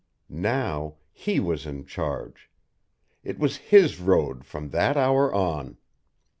Now he was in charge, it was his road from that hour on.